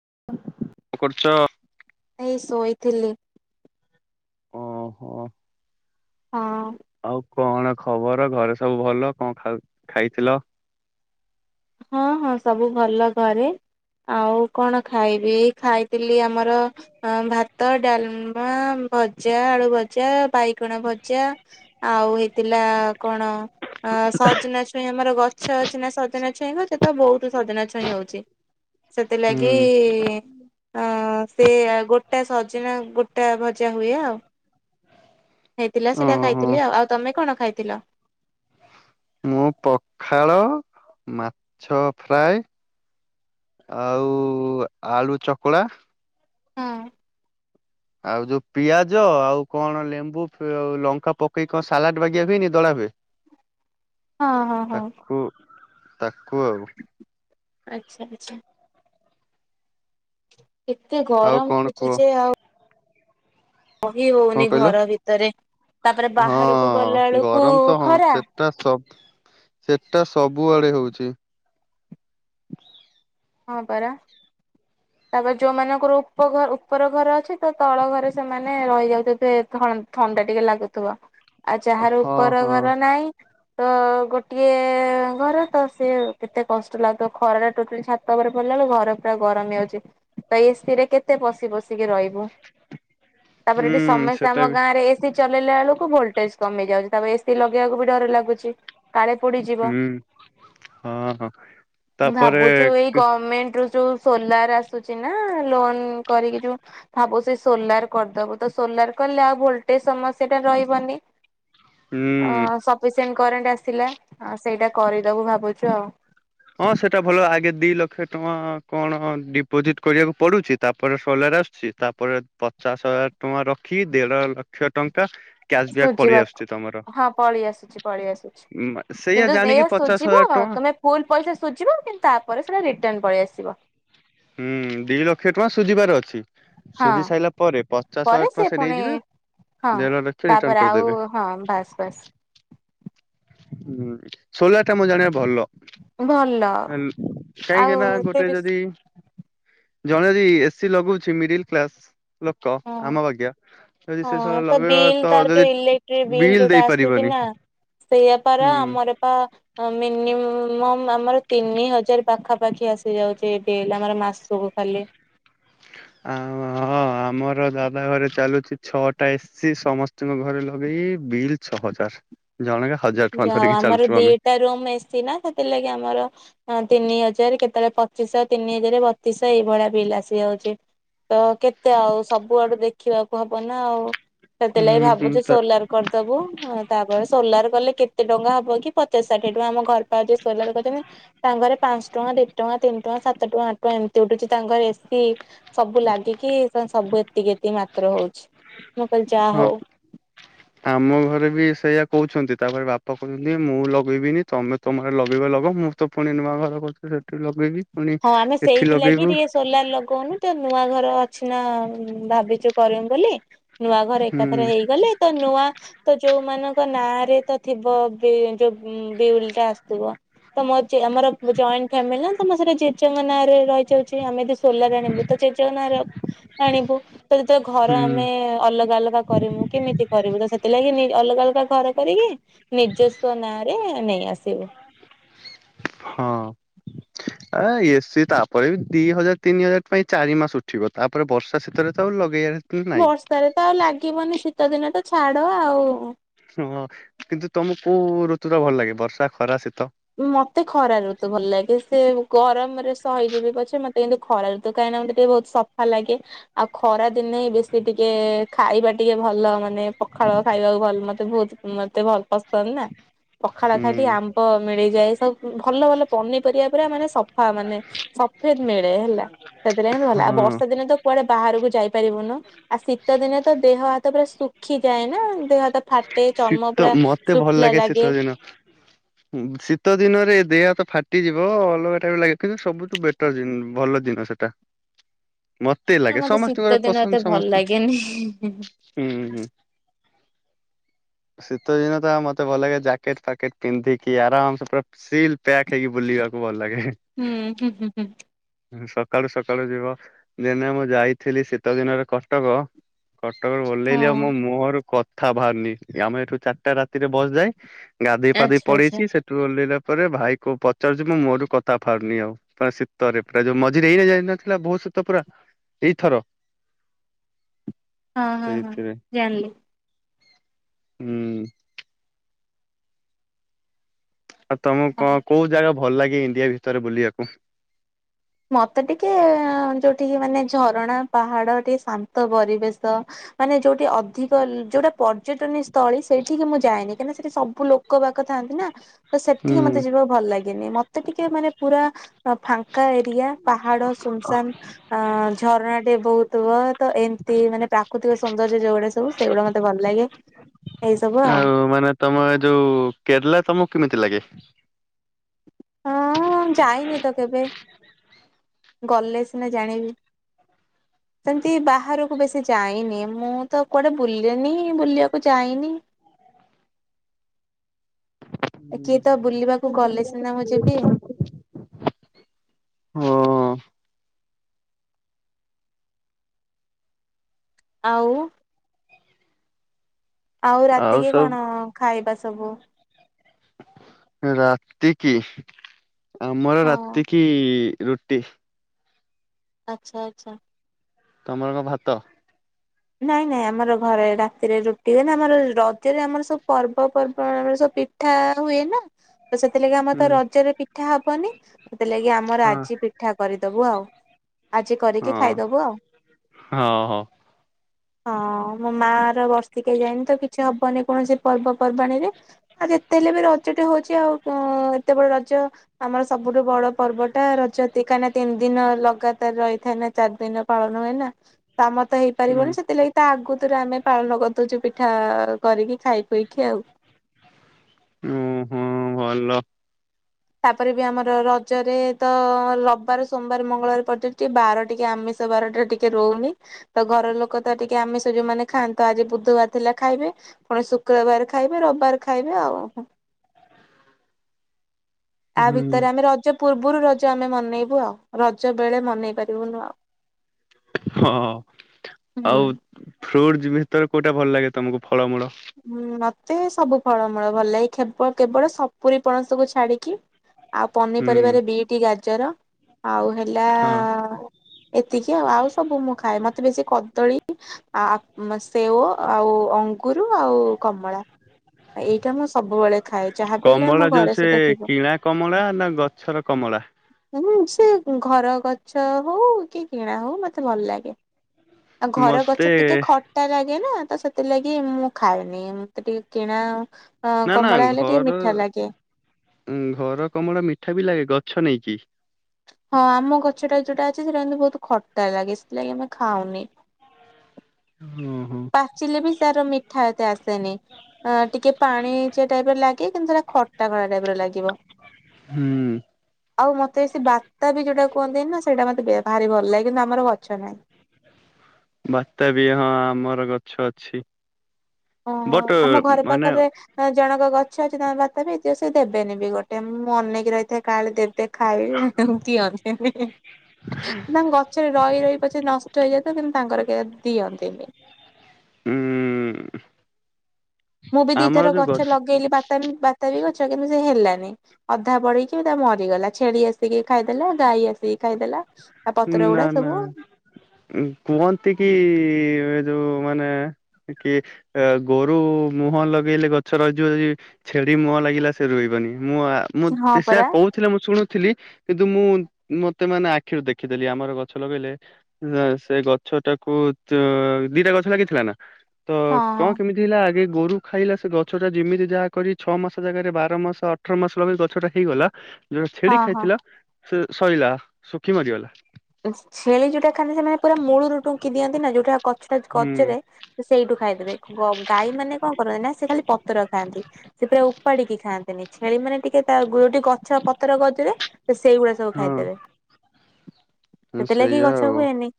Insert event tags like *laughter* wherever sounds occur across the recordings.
*inaudible* କଣ କରୁଛ? ଏଇ ଶୋଇଥିଲି। ଓହୋ। ହଁ *inaudible* ଆଉ? କଣ ଖବର ଘରେ ସବୁ ଭଲ କଣ ଖାଉ ଖାଇଥିଲ? ହଁ ହଁ ସବୁ ଭଲ ଘରେ ଆଉ କଣ ଖାଇବି ଖାଇଥିଲି ଆମର ଭାତ ଡାଲମା ଭଜା ଆଳୁ ଭଜା ବାଇଗଣ ଭଜା ଆଉ ହେଇଥିଲା କଣ? ଅ ସଜନା ଛୁଇଁ ଆମର ଗଛ ଅଛି ନା ସଜନା ତ ବହୁତ ସଜନା ଛୁଇଁ ହଉଛି। ସେଥିଲାଗି ହୁଁ ଅ ସେ ଗୋଟା ସଜନା ଗୋଟା ଭଜା ହୁଏ ଆଉ ହେଇଥିଲା ସେଇଟା ଓହୋ ଖାଇଥିଲି ଆଉ ଆଉ ତମେ କଣ ଖାଇଥିଲ? ମୁଁ ପଖାଳ ମାଛ ଫ୍ରାଏ ଆଉ ଆଳୁ ଚକୁଳା ହଁ। ଆଉ ଯୋଉ ପିଆଜ ଆଉ କଣ ଲେମ୍ବୁ ଲଙ୍କା ପକେଇ କଣ ସାଲାଡ ବାଗିଆ ହୁଏନି ଦଳା ହୁଏ। ହଁ ହଁ ହଁ। ତ କୁ ଆଉ। *inaudible* *inaudible* କେତେ ଆଉ ଗରମ କଣ କୁହ ହଉଛି ଯେ ଆଉ ରହି କଣ ହଉନି କହିଲ ଘର ଭିତରେ ତାପରେ ହଁ ବାହାରକୁ ଗଲା ବେଳକୁ ଗରମ ତ ହଁ ଖରା ସେଟା ସ ସେଟା ସବୁଆଡେ ହଉଛି। ହଁ ପରା ତାପରେ ଯୋଉମାନଙ୍କର ଉପଘର ଉପର ଘର ଅଛି ତ ତଳ ଘରେ ସେମାନେ ରହିଯାଉଛନ୍ତି ଥଣ୍ଡା ଟିକେ ଲାଗୁଥିବ। ଆଉ ଯାହାର ହଁ ଉପର ହଁ ଘର ନାହିଁ ତ ଗୋଟିଏ ଘର ତ ସିଏ କେତେ କଷ୍ଟ ଲାଗୁଥିବ ଖରାରେ ଟୋଟାଲି ଛା ଉପରେ ପଡ଼ିଲା ବେଳକୁ ଘର ପୁରା ଗରମ ହେଇ ଯାଉଛି ତ ଏସିରେ କେତେ ପଶି ପଶୀକି ରହିବୁ? ତାପରେ ହୁଁ ଏଠି ସମସ୍ତେ ସେଟା ଆମ ବି ଗାଁ ରେ ଏସିି ଚଲେଇଲା ବେଳୁ ଭୋଲଟେଜ କମ ହେଇଯାଉଛି ତା ଏସିି ଲଗେଇବାକୁ ବି ଡର ଲାଗୁଛି। କାଳେ ପୋଡିଯିବ ହୁଁ ହଁ ହଁ ତାପରେ ମେଣ୍ଟ ରୁ ଯୋଉ ସୋଲାର ଆସୁଛି ନା ଲୋନ କରିକି ଯୋଉ ଭାବୁ ସେ ସୋଲାର କରିଦୋବୁ ସୋଲାର କଲେ ଆଉ ଭୋଲଟେଜ ସମସ୍ୟା ଟା ରହିବନି। ଅ ହୁଁ ସଫିସେଣ୍ଟ କରେଣ୍ଟ ଆସିଲା ସେଇଟା କରିଦବୁ ଭାବୁଛୁ ଆଉ ହଁ ସେଟା ଭଲ ଆଗେ ଦି ଲକ୍ଷ ଟଙ୍କା କଣ ଡିପୋଜିଟ୍ କରିବାକୁ ପଡ଼ୁଛି। ତାପରେ ସୋଲାର ଆସୁଛି ତାପରେ ପଚାଶ ହଜାର ଟଙ୍କା ରଖି ଦେଢ ଲକ୍ଷ ଲକ୍ଷ ଟଙ୍କା କ୍ୟାସ୍ ବ୍ୟାକ୍ ପଳେଇ ସୁଝିବାକୁ ଆସୁଛି ତମର ହଁ ପଳେଇ ଆସୁଛି ପଳେଇ ଆସୁଛି। ସେଇଆ କିନ୍ତୁ ଏଇଆ ଜାଣିକି ପଚାଶ ସୁଝିବ ହଜାର ତମେ ଫୁଲ ଟଙ୍କା ପଇସା ସୁଝିବ କିନ୍ତୁ ତାପରେ ସେଇଟା ରିଟର୍ଣ୍ଣ ପଳେଇ ଆସିବ ହୁଁ ଦି ଲକ୍ଷ ଟଙ୍କା ସୁଝିବାର ଅଛି। ହଁ ସୁଝି ସାରିଲା ପରେ ପଚାଶ ପରେ ହଜାର ଟଙ୍କା ସେ ପୁଣି ନେଇଯିବେ ହଁ ଦେର ରଖିବେ ରିଟର୍ଣ ତାପରେ ଆଉ କରିଦେବେ। ହଁ ବାସ୍ ବାସ୍ ହୁଁ ସୋଲାର ଟା ମୁଁ ଜାଣିବା ଭଲ ଭଲ କାହିଁକି ଆଉ ନା ସେ ଗୋଟେ ବି ଯଦି ଜଣେ ଯଦି ଏସି ଲଗଉଛି ମିଡିଲ କ୍ଲାସ ଲୋକ ହଁ ଆମ ବାଗିଆ ଯଦି ସେ ସବୁ ହଁ ତ ଲଗେଇବା ବିଲ୍ ତ ତାର ଯଦି ଯୋଉ ଇଲେକ୍ଟ୍ରିକ ବିଲ୍ ଦେଇପାରିବନି ସେଇଆପାର ହୁଁ। ଆମର ପା ଆମର ତିନି ହଜାର ପାଖା ପାାଖି ଆସି ଯାଉଛି ବିଲ୍ ଆମ ମାସକୁ ଖାଲି ଆ ହଁ ଆମର ଦାଦା ଘରେ ଚାଲୁଛି ଛଅଟା ଏସି ସମସ୍ତଙ୍କ ଘରେ ଲଗେଇି ବିଲ୍ ଛଅ ହଜାର ଜଣକା ହଜାର ଟଙ୍କା ଯ ଧରିକି ଆମର ଚାଲୁଛୁ ଆମେ। ଦିଟା ରୁମ ଏସିଛି ନା ସେଥିଲାଗି ଆମର ହଁ ତିନି ହଜାର କେତେବେଳେ ପଚିଶହ ତିନି ହଜାର ବତିଶଶହ ଏଇଭଳିଆ ବିଲ୍ ଆସିଯାଉଛି ତ କେତେ ଆଉ ସବୁଆଡୁ ଦେଖିବାକୁ ହବ ନା ଆଉ ସେଥିଲାଗି ହୁଁ ଭାବୁଛି ସୋଲାର କରିଦବୁ ତାପରେ ସୋଲାର କଲେ କେତେ ଟଙ୍କା ହବ କି ପଚାଶ ଷାଠିଏ ଟଙ୍କା ଆମ ଘର ପାଉ ଯ ସୋଲାର କରିଛନ୍ତି ତାଙ୍କର ପାଞ୍ଚ ଟଙ୍କା ଦଢ ଟଙ୍କା ତିନି ଟଙ୍କା ସାତ ଟଙ୍କା ଆଠ ଟଙ୍କା ଏମିତି ଉଠୁଛି ତାଙ୍କର ଏସିି ସବୁ ଲାଗିକି ସବୁ ଏତିକି ଏତିକି ମାତ୍ର ହଉଛି। ମୁଁ କହିଲି ଯାହା ହଁ ହଉ। ଆମ ଘରେ ବି ସେଇଆ କହୁଛନ୍ତି ତାପରେ ବାପା କହୁଛନ୍ତି ମୁଁ ଲଗେଇବିନି ତମେ ତମର ଲଗେଇବ ଲଗ ମୁଁ ତ ପୁଣି ନୂଆ ଘର କରଛି ସେଠି ଲଗେଇବି ପୁଣି ହଁ ଆମେ ଏଠି ସେଇଥିଲାଗି ଲଗେଇବୁ ଟିକେ ସୋଲାର ଲଗଉନୁ ତ ନୂଆ ଘର କିଛି ନା ଭାବିଛୁ କରିମୁ ବୋଲି ନୂଆ ଘର ହୁଁ ଏକାଥରେ ହେଇଗଲେ ତ ନୂଆ ତ ଯୋଉମାନଙ୍କ ନାଁରେ ହେଇ ତ ଥିବ ବେ ଯୋଉ ଦେଉଳି ଟା ଆସୁଥୁବ ତ *unintelligible* ଆମର ଜାଏନ ଫାମିଲି ନା ତମ ସେ *unintelligible* ନାଁରେ ରହିଯାଉଚି ଆମେ ଯଦି ସୋଲାର ଆଣିବୁ ତ ଜେଜ ନାଁରେ ଆଣିବୁ ତ ଯେତବେଳେ ଘର ହୁଁ ଆମେ ଅଲଗା ଅଲଗା କରିମୁ କେମିତି କରିବୁ ତ ସେଥିଲାଗି ନି ଅଲଗା ଅଲଗା ଘର କରିକି ନିଜସ୍ୱ ନାଁରେ ନେଇ ଆସିବୁ ହଁ ଆ ଏସିି ତାପରେ ବି ଦି ହଜାର ତିନି ହଜାର ପାଇଁ ଚାରି ମାସ ଉଠିବ ତାପରେ ବର୍ଷା ଶୀତରେ ତ ଆଉ ଲଗେଇବା ବର୍ଷାରେ ତ ଆଉ ଲାଗିବନି ଶୀତ ଦିନ ଟା ଛାଡ଼ ଆଉ ହଁ କିନ୍ତୁ ତମକୁ କୋଉ ଋତୁ ଟା ଭଲ ଲାଗେ ବର୍ଷା, ଖରା, ଶୀ ମତେ ଖରା ଋତୁ ଭଲ ଲାଗେ ସେ ଗରମରେ ସହିଯିବି ପଛେ ମତେ କିନ୍ତୁ ଖରା ଋତୁ କାହିଁକି ମତେ ଟିକେ ବହୁତ ସଫା ଲାଗେ ଆଉ ଖରା ଦିନେ ବେଶୀ ଟିକେ ଖାଇବା ଟିକେ ଭଲ ମାନେ ପଖାଳ ଖାଇବାକୁ ଭଲ ମତେ ବହୁତ ମତେ ଭଲ ପସନ୍ଦ ନା ପଖାଳ ହୁଁ ଖାଇ ଟିକେ ଆମ୍ବ ମିଳିଯାଏ ସବ ଭଲ ଭଲ ପନିପରିବା ପୁରା ମାନେ ସଫା ମାନେ ସଫେଦ ମିଳେ ହେଲା ସେଥିଲାଗି *unintelligible* ଆଉ ହଁ ବର୍ଷା ଦିନେ ତ କୁଆଡେ ବାହାରୁକୁ ଯାଇପାରିବୁନୁ ଆ ଶୀତ ଦିନେ ତ ଦେହ ହାତ ପୁରା ଶୁଖିଯାଏ ନା ଦେହ ହାତ ଫା ଶୀତ ମତେ ଭଲ ଲାଗେ ଶୀତ ଦିନ। ଶୀତ ଦିନରେ ଦେହତ ଫାଟିଯିବ ଅଲଗା ଟାଇମ୍ ଲାଗେ କିନ୍ତୁ ସବୁଠୁ ବେଟର ଦି ଭଲ ଦିନ ସେଟା। ଅ ଲାଗେ ମତେ ସମସ୍ତଙ୍କର ଶୀତ ଦିନ ପସନ୍ଦ ଏତ ଭଲ ସମସ୍ତ ଲାଗନି। ହୁଁ ହୁଁ। ଶୀତ ଦିନ ତ ଆ ମତେ ଭଲ ଲାଗେ ଜାକେଟ ଫାକେଟ ପିନ୍ଧିକି ଆରାମ ସେ ପୁରା ସିଲ ପ୍ୟାକ୍ ହେଇକି ବୁଲିବାକୁ ଭଲ ଲାଗେ। ହୁଁ ହୁଁ ହୁଁ ହୁଁ। ହୁଁ, ସକାଳୁ ସକାଳୁ ଯିବ ଦିନେ ମୁଁ ଯାଇଥିଲି ଶୀତ ଦିନରେ କଟକ। କଟକରେ ଓହ୍ଲେଇଲି ଆଉ ହଁ ମୋ ମୁହଁ ରୁ କ ଥା ଭାର୍ ନି ଆମେ ଏଠୁ ଚାରିଟା ରାତିରେ ବସ ଯାଏ। ଗାଧେଇ ଫାଧେଇ ଆଚ୍ଛା ଆଚ୍ଛା ପଳେଇଛି ସେଠୁ ଓହ୍ଲେଇଲା ପରେ ଭାଇ କୋଉ ପଚାରୁଚି ମୁଁହ ରୁ କଥା ଫାରୁନି ଆଉ ପ ଶୀତରେ ପୁରା ଯୋଉ ମଝିରେ ଏଇ ଯାଇନଥିଲା ବହୁତ ଶୀତ ପୁରା ଏଇଥର ହଁ ହଁ ହଁ ସେଇଥିରେ। ଜାଣିଲି ହୁଁ। ଆଉ ତମକୁ ହଁ। କଣ କୋଉ ଜାଗା ଭଲ ଲାଗେ ଇଣ୍ଡିଆ ଭିତରେ ବୁଲିବାକୁ। ମତେ ଟିକେ ଯୋଉଠିକି ମାନେ ଝରଣା ପାହାଡ ଟିକେ ଶାନ୍ତ ପରିବେଶ ମାନେ ଯୋଉଠି ଅଧିକ ଯଉଟା ପର୍ଯ୍ୟଟନୀ ସ୍ଥଳୀ ସେଇଠିକି ମୁଁ ଯାଏନି। କାଇଁନା ସେଠି ସବୁ ଲୋକ ବାକ ଥାଆନ୍ତି ନା। ତ ହୁଁ ସେଠିକି ମତେ ଯିବା ଭଲ ଲାଗନି ମତ ମତେ ଟିକେ ମାନେ ପୁରା ଫାଙ୍କା ଆ ପାହାଡ ସୁନସାନ ଝରଣା ଟେ ବହୁତ ହୁ ତ ଏମତି ମାନେ ପ୍ରାକୃତିକ ସୌନ୍ଦର୍ଯ୍ୟ ଯୋଉଗୁଡା ସବୁ ସେଇଗୁଡା ମତେ ଭଲ ଲାଗେ ଏଇ ସବୁ ଆଉ। ମାନେ ତମ ଏ ଯୋଉ କେରଲା ତମକୁ କେମିତି ଲାଗେ? ହଁ ଯାଇନି ତ କେବେ ଗଲେ ସିନା ଜାଣିବି ସେମିତି ବାହାରକୁ ବେଶୀ ଯାଇନି ମୁଁ ତ କୁଆଡେ ବୁଲେନି ବୁଲିବାକୁ ଯାଇନି। କିଏ ତ ବୁଲିବାକୁ ଗଲେ ସିନା ମୁଁ ଯିବି। ଓ ଆଉ ଆଉ ରାତିକି କଣ ଖାଇବା ସ ସବୁ ରାତି କି ଆମର ହଁ ରାତି କି ରୁଟି। ଆଚ୍ଛା ଆଚ୍ଛା। ତମର କଣ ଭାତ? ନାଇଁ ନାଇଁ ଆମର ଘରେ ରାତିରେ ରୁଟି ହୁଏ ନା ଆମର ରଜରେ ଆମର ସବୁ ପର୍ବପର୍ବଣୀରେ ଆମର ସବୁ ପିଠା ହୁଏ ନା ତ ସେଥିଲାଗି ଆମର ତ ହୁଁ ରଜରେ ପି ଠା ହବନି। ସେଥିଲାଗି ଆମର ହଁ। ଆଜି ପିଠା କରିଦବୁ ଆଉ। ଆଜି କରିକି ହଁ ଖାଇଦବୁ ଆଉ। ହଁ ହଁ। ହଁ ମୋ ମା ର ବର୍ଷିକା ଯାଇନି ତ କିଛି ହବନି କୌଣସି ପର୍ବପର୍ବାଣୀରେ ଆଉ ଯେତେ ହେଲେ ବି ରଜଟେ ହଉଛି ଆଉ ଏତେ ବଡ ରଜ ଆମର ସବୁଠୁ ବଡ ପର୍ବଟା ରଜ ଦିକା ତିନି ଦିନ ଲଗାତାର ରହିଥାଏ ନା ଚାରି ଦିନ ପାଳନ ହୁଏନା ତାମ ତ ହେଇ ହୁଁ। କରିବନି ସେଥିଲାଗି ତା ଆଗୁତୁରା ଆମେ ପାଳନ କରିଦଉଛୁ ପିଠା କରିକି ଖାଇ ପିଇକି ଆଉ। ଉଁ ହୁଁ ଭଲ। ତାପରେ ବି ଆମର ରଜରେ ତ ରବିବାର ସୋମବାର ମଙ୍ଗଳବାର ପଡିଯାଉଛି ବାର ଟିକେ ଆମିଷ ବାରଟାରେ ଟିକେ ରହୁନି ତ ଘର ଲୋକ ତ ଟିକେ ଆମିଷ ଯୋଉମାନେ ଖାଆନ୍ତା ଆଜି ବୁଧବାର ଥିଲା ଖାଇବେ ପୁଣି ଶୁକ୍ରବାର ଖାଇବେ ରବିବାର ଖାଇବେ ଆଉ। ଏହା ହୁଁ। ଭିତରେ ଆମେ ରଜ ପୂର୍ବରୁ ରଜ ଆମେ ମନେଇବୁ ଆଉ ରଜ ବେଳେ ମନେଇ ପାରିବୁନୁ ଆଉ। ହଁ ହୁଁ। ଆଉ ଫ୍ରୁଟ୍ ଜିମିଷତର କଉଟା ଭଲ ଲାଗେ ତମକୁ? ଫଳମୂଳ? ହୁଁ ମତେ ସବୁ। ଫଳମୂଳ ଭଲ ଲାଗେ ଖେବ କେବଳ ସପୁରୀ ପଣସକୁୁ ଛାଡିକି। ଆଉ ହୁଁ। ପନିପରିବାରେ ବିଟି ଗା ଜର। ଆଉ ହେଲା ହଁ। ଏତିକି ଆଉ ଆଉ ସବୁ ମୁଁ ଖାଏ ମତେ ବେଶୀ କଦଳୀ ଆ ଉଁ ସେଓ ଆଉ ଅଙ୍ଗୁର ରୁ ଆଉ କମଳା। ଏଇଟା ମୁଁ ସବୁବେଳେ ଖାଏ ଯାହା ବି ହେଲେ କମଳା ଆମ ଯୋଉ ଘରେ ସେ ସେଇଟା ଥିବ। କିଣା କମଳା ନା ଗଛର କମଳା? ଉଁ ଘର ଗଛ ହଉ କି କିଣା ହଉ ମତେ ଭଲ ଲାଗେ। ଆଉ ଘର ମତେ ଗଛ ଟିକେ ଖଟା ଲାଗେ ନା। ତ ସେଥିଲାଗି ମୁଁ ଖାଏନି ମତେ ଟିକେ କିଣା ଅ ନା ନା କମଳା ହେଲେ ଟିକେ ଘର ମିଠା ଲାଗେ। ଉ ଘର କମଳା ମିଠା ବି ଲାଗେ। ଗ ଛ ନେଇକି। ହଁ ଆମ ଗଛଟା ଯୋଉଟା ଅଛି ସେଇଟା କିନ୍ତୁ ବହୁତ ଖଟା ଲାଗେ ସେଥିଲାଗି ଆମେ ଖାଉନି। ଓହୋ। ପାଚିଲେ ବି ତାର ମିଠା ଏତେ ଆସେନି। ଅ ଟିକେ ପାଣିଚିଆ ଟାଇପର ଲାଗେ କିନ୍ତୁ ସେଇଟା ଖଟା ଖଟା ଟାଇପର ଲାଗିବ। ହୁଁ ଆଉ ମତେ ସେ ବାତା ବି ଯୋଉଟା କୁହନ୍ତିନି ନା ସେଇଟା ମତେ ବେ ଭାରି ଭଲ ଲାଗେ କିନ୍ତୁ ଆମର ଗଛ ନାହିଁ। ବାତା ବି ହଁ ଆମର ଗଛ ଅଛି। ଓହୋ ବଟ ଆମ ଘର ମାନେ ପାଖରେ ଅଁ ଜଣଙ୍କ ଗ ଛ ଅଛି ତାଙ୍କର ବାତାପି ହେଇଥିବ ସେ ଦେବେନି ବି ଗୋଟେ ମୁଁ ଅନେଇକି ରହିଥାଏ କାଳେ ଦେ ବେ ଖାଇବି ଦିଅନ୍ତିନି। ତାଙ୍କ ଗଛରେ ରହି ରହି ପଛେ ନଷ୍ଟ ହେଇଯା କିନ୍ତୁ ତାଙ୍କର କେ ଦିଅନ୍ତିନି। ହୁଁ। ମୁଁ ବି ଦି ଥର ଗଛ ଲଗେଇଲି ବା ତା ବି ବାତା ବି ଗଛ କିନ୍ତୁ ସେ ହେଲାନି ଅଧା ବଢୀକି ତା ମରିଗଲା ଛେଳି ଆସିକି ଖାଇଦେଲା ଗାଈ ଆସିକି ଖାଇଦେଲା। ତା ପତ୍ର ନା ଗୁଡା ନା ସବୁ ଉ କୁହନ୍ତି କି ଏ ଯୋଉ ମାନେ କି ଗୋରୁ ମୁହଁ ଲଗେଇଲେ ଗଛ ରହିଯିବ ଯଦି ଛେଡି ମୁହଁ ଲାଗିଲା ସେ ରହିବନି। ମୁଁ ଆ ମୁଁ ହଁ ସେଇଆ ପରା କହୁଥିଲେ ମୁଁ ଶୁଣୁ ଥିଲି କିନ୍ତୁ ମୁଁ ମତେ ମାନେ ଆଖିରେ ଦେ ଖିଦେଲି ଆମର ଗଛ ଲଗେଇଲେ ଅ ସେ ଗଛ ଟାକୁ ଚ ଦିଟା ଗଛ ଲାଗିଥିଲା ନା। ତ ହଁ କଣ ହଁ କେମିତି ହେଲା ଆଗେ ଗୋରୁ ଖାଇଲା ସେ ଗଛ ଟା ଯେମିତି ଯାହା କରି ଛଅ ମାସ ଜାଗାରେ ବାର ମାସ ଅଠର ମାସ ଲଗେଇଲି ଗଛଟା ହେଇଗଲା। ଯୋଉଟା ଛେଡି ହଁ ହଁ। ଖାଇଥିଲା ସେ ସଇଲା ଶୁଖି ମରିଗଲା। ଉଁ ଛେଳି ଯୋଉଟା ଖାଆନ୍ତି ସେ ମାନେ ପୁରା ମୂଳୁରୁ ଟୁଙ୍କି ଦିଅନ୍ତି ନା ଯୋଉଟା ଗଛଟା ହୁଁ ଗଚରେ ସେ ସେଇଠୁ ଖାଇଦେବେ। ଗ ଗାଈ ମାନେ କଣ କରନ୍ତି ନା ସେ ଖାଲି ପତ୍ର ଖାଆନ୍ତି ସେ ପୁରା ଉପାଡିକି ଖାଆ ନ୍ତିନି ଛେଳି ମାନେ ଟିକେ ତା ଯୋଉଠି ଗଛ ପତର ଗଜରେ ସେ ସେଇଗୁଡା ସବୁ ଖାଇଦେବେ। ହଁ ସେଥିଲାଗି ସେଇଆ ଗଛ ଆଉ ହୁଏନି।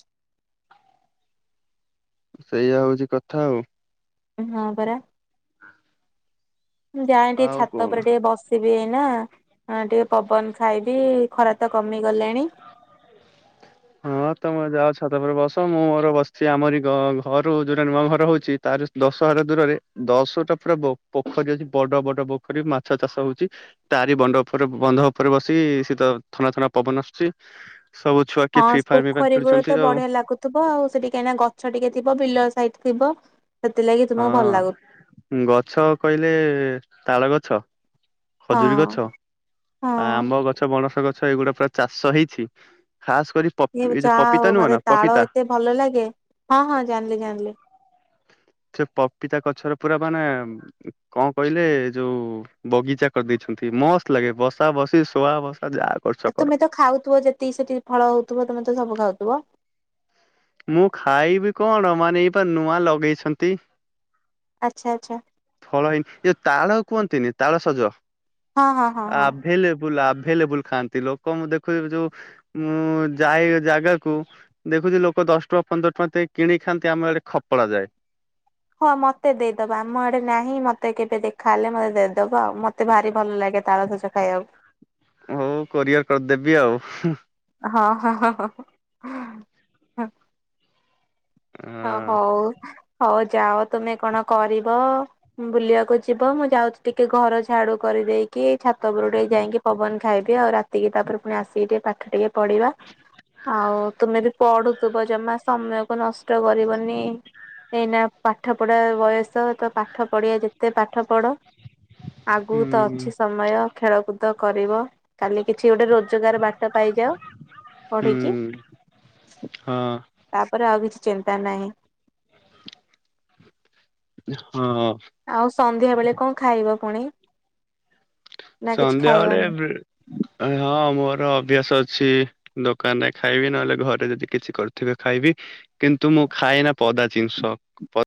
ସେଇଆ ହଉଛି କଥା ଆଉ। ହଁ ପରା। ମୁଁ ଯାଏ ଟିକେ ଆଉ ଛାତ କଣ ଉପରେ ଟିକେ ବସେ ଇ ନା ଆ ଟିକେ ପବନ ଖାଇ ବି ଖରା ତ କମି ଗଲାଣି। ତ ଉପରେ ବସ ମୁଁ ମୋର ବସିଛି। ଆମରି ଘରୁ ଯୋଉଟା ନୂଆ ଘର ହଉଛି ତାର ଦଶହାର ଦୂରରେ ଦଶଟା ପୁରା ବୋ ପୋଖରୀ ଅଛି ବଡ ବଡ ପୋଖରୀ। ମାଛ ଚାଷ ହଉଛି। ତାରି ବଣ୍ଡ ଉପରେ ବନ୍ଧ ଉପରେ ବସି ତ ଥଣ୍ଡା ଥଣ୍ଡା ପବନ ଆସୁଛି। ସବୁ ଛୁଆ କିଏ ହଁ ଫ୍ରି ଫାୟାର ଫ୍ରି ଫାୟାର ପୋଖରୀ କୂଳ ଖେଳୁଛନ୍ତି ତ ଆଉ ବଢିଆ ଲାଗୁଥିବ ଆଉ। ସେଠି କାହିଁକି ନା ଗଛ ଟିକେ ଥିବ ବିଲ ଲାଇଟ ଥିବ ସେଥିଲାଗି ତୁମକୁ ଭଲ ଲାଗୁ ହଁ ଗଛ କହିଲେ ତାଳ ଗ ଛ ହଁ ଖଜୁରୀ ଗଛ, ହଁ। ଆମ୍ବ ଗଛ, ପଣସ ଗ ଏଇ ଗୁଡା ପୁରା ଚାଷ ହେଇଛି। ଖାସ୍ କରି ଇଏ ପପି ଏଇ ଯୋଉ ଚା ପପିତା ଆଉ ନୁହଁ ମତେ ନା ତାଳ ପପିତା ଏତେ ଭଲ ଲାଗେ। ହଁ ହଁ ଜାଣିଲି ଜାଣିଲି। ସେ ପପିତା ଗଛର ପୁରା ମାନେ କଣ କହିଲେ ଏ ଯଉ ବଗିଚା କରିଦେଇଛନ୍ତି। ମସ୍ତ ଲାଗେ ବସା ବସି ଶୁଆ ବସା ଯାହା କରୁଛ କର। ତୁମେ ତ ଖାଉଥିବ ଯେତିକି ସେଠି ଫଳ ହଉଥିବ। ତମେ ତ ସବୁ ଖାଉଥିବ। ମୁଁ ଖାଇବି କଣ ମାନେ ଇଏ ପା ନୂଆ ଲଗେଇଛନ୍ତି। ଆଚ୍ଛା ଆଚ୍ଛା ଫଳ ହେଇନି ଏ ତାଳ କୁହନ୍ତି ତିନି ତାଳ ସଜ। ହଁ ହଁ ହଁ ହଁ। ଆଭେଲେବୁଲ ଆଭେ ଆଭେଲେବୁଲ ଖାନ୍ତି। ଲୋକଙ୍କୁ ଦେଖୁଚି ଯଉ ମୁଁ ଯାଏ ଜାଗା କୁ ଦେଖୁଚି ଲୋକ ଦଶ ଟଙ୍କା ପନ୍ଦର ଟଙ୍କା ଦେଇକି କିଣିକି ଖାନ୍ତି। ଆମ ଆଡେ ଖପଡା ଯାଏ। ହଁ ମତେ ଦେଇଦବା ଆମ ଆଡେ ନାହିଁ ମତେ କେବେ ଦେ ଖାଇଲେ ମତେ ଦେ ଦବ ଆଉ ମତେ ଭାରି ଭଲ ଲାଗେ ତାଳସଜ ଖାଇବାକୁ। ହଉ କୋରିଅର କରି ଦେବି ଆଉ। ହଁ ହଁ ହଁ ହଁ ହ ହଁ ହଉ ହଉ ଯାଅ ତୁମେ କଣ କରିବ ବୁଲିବାକୁ ଯିବ। ମୁଁ ଯାଉଛି ଟିକେ ଘର ଝାଡୁ କରିଦେଇକି ଛାତ ଉପର କୁ ଟିକେ ଯାଇକି ପବନ ଖାଇବି ଆଉ। ରାତିକି ତାପରେ ପୁଣି ଆସିକି ଟିକେ ପାଠ ଟିକେ ପଢିବା। ଆଉ ତୁମେ ବି ପଢୁଥିବ ଜମା ସମୟକୁ ନସ୍ ଷ୍ଟ କରିବନି ଏଇନା ପାଠ ପଢା ବୟସ ତ ପାଠ ପଡିଆ ଯେତେ ପାଠ ପଢ ଆଗକୁ ତ ହୁଁ ଅଛି ସମୟ। ଖେଳକୁଦ କରିବ କାଲି କିଛି ଗୋଟେ ରୋଜଗାର ବାଟ ପାଇଯାଅ ପଢିକି ହୁଁ। ହଁ ତାପରେ ଆଉ କିଛି ଚିନ୍ତା ନାହିଁ। *inaudible* *unintelligible* ଆଉ ସନ୍ଧ୍ୟା ବେଳେ କଣ ଖାଇବ ପୁଣି। ନା କିଛି ସଧ୳୲ ଖାଇବନି? ବେଳେ ହଁ ର ଅଭ୍ୟାସ ଅଛି ଦୋକାନରେ ଖାଇବି। ନହେଲେ ଘରେ ଯଦି କିଛି କରିଥିବେ ଖାଇବି। କିନ୍ତୁ ମୁଁ ଖଏନା ପଦା ଜିନ୍‌ଷ। ପ